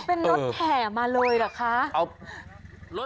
เป็นรถแห่มาเลยเหรอคะ